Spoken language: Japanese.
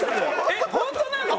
えっ本当なの？